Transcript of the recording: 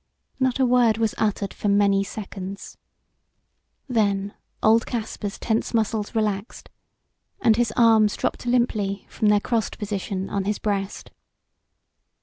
Not a word was uttered for many seconds. Then old Caspar's tense muscles relaxed and his arms dropped limply from their crossed position on his breast.